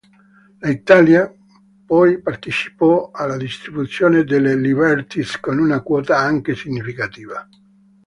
L’Italia poi partecipò alla distribuzione delle "Liberties" con una quota anche significativa.